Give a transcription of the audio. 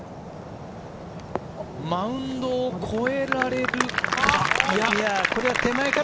マウンドを越えられるか？